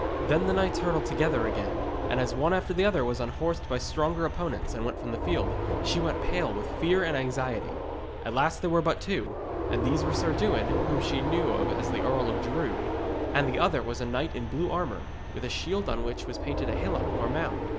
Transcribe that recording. Then the knights hurtled together again, and as one after the other was unhorsed by stronger opponents and went from the field, she went pale with fear and anxiety. At last there were but two, and these were Sir Dewin, whom she knew as the Earl of Drood, and the other was a knight in blue armour, with a shield on which was painted a hillock or mound.